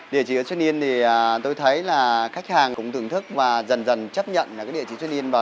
địa chỉ ở sonin thì tôi thấy là khách hàng cũng thưởng thức và dần dần chấp nhận là cái địa chỉ sonin